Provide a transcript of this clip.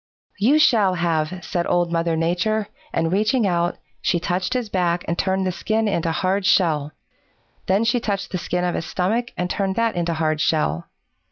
"'You shall have,' said Old Mother Nature, and reaching out, she touched his back and turned the skin into hard shell. Then she touched the skin of his stomach and turned that into hard shell.